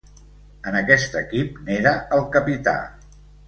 En aquest equip n'era el capità.